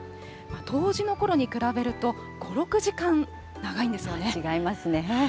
冬至のころに比べると、５、違いますね。